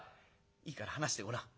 いいから話してごらん。